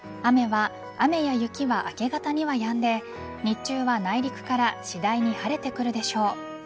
雨や雪は明け方にはやんで日中は内陸から次第に晴れてくるでしょう。